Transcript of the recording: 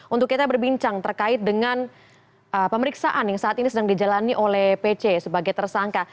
untuk kita berbincang terkait dengan pemeriksaan yang saat ini sedang dijalani oleh pc sebagai tersangka